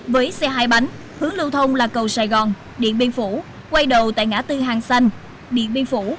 với xe hai bánh hướng lưu thông là cầu sài gòn điện biên phủ quay đầu tại ngã tư hàng xanh điện biên phủ